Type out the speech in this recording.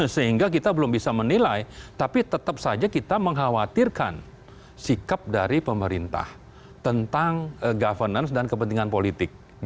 sehingga kita belum bisa menilai tapi tetap saja kita mengkhawatirkan sikap dari pemerintah tentang governance dan kepentingan politik